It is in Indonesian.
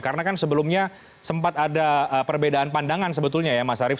karena kan sebelumnya sempat ada perbedaan pandangan sebetulnya ya mas arief